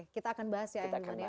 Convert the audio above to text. kita akan bahas ya ayah iman ya